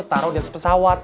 taruh di atas pesawat